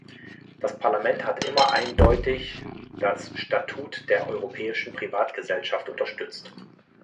Das Parlament hat immer eindeutig das Statut der europäischen Privatgesellschaft unterstützt.